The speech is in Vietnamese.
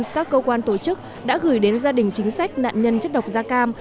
các cơ quan tổ chức đã gửi đến gia đình chính sách nạn nhân chất độc da cam